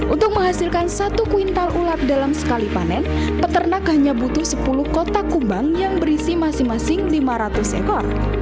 untuk menghasilkan satu kuintal ulat dalam sekali panen peternak hanya butuh sepuluh kotak kumbang yang berisi masing masing lima ratus ekor